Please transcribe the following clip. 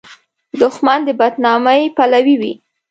دښمن د بد نامۍ پلوی وي